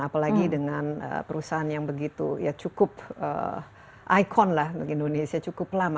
apalagi dengan perusahaan yang begitu ya cukup ikon lah untuk indonesia cukup lama